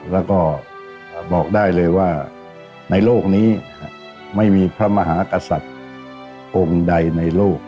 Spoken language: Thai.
แล้วก็บอกได้เลยว่าในโลกนี้ไม่มีพระมหากษัตริย์องค์ใดในโลก